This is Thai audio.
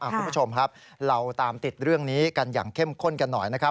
คุณผู้ชมครับเราตามติดเรื่องนี้กันอย่างเข้มข้นกันหน่อยนะครับ